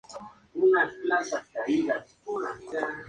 Algunas unidades inglesas, como la libra, pueden ser de fuerza o de masa.